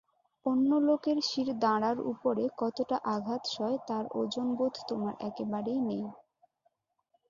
অন্য লোকের শিরদাঁড়ার উপরে কতটা আঘাত সয় তার ওজনবোধ তোমার একেবারেই নেই।